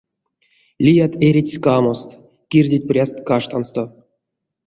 Лият эрить ськамост, кирдить пряст каштансто.